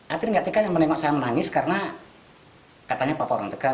atlet nggak tekan yang melengok saya menangis karena katanya papa orang tegar